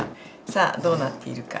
さあどうなっているか？